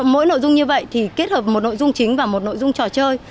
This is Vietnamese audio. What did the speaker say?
mỗi nội dung như vậy thì kết hợp một nội dung chính và một nội dung trò chơi